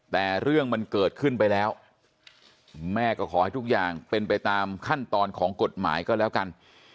แต่เรื่องมันเกิดขึ้นไปแล้วแม่ก็ขอให้ทุกอย่างเป็นไปตามขั้นตอนของกฎหมายก็แล้วกัน